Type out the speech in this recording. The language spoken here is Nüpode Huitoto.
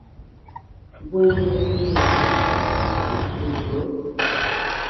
¿Bueñe eede?, ¿ikɨdɨo?